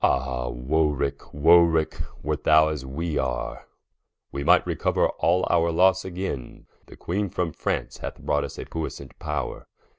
Som. Ah Warwicke, Warwicke, wert thou as we are, We might recouer all our Losse againe: The Queene from France hath brought a puissant power.